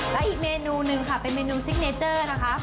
และอีกเมนูหนึ่งค่ะเป็นเมนูซิกเนเจอร์นะคะ